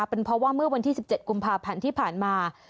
เป็นเพราะว่าเมื่อวันที่๑๗กุมภาพันธ์ที่ผ่านมา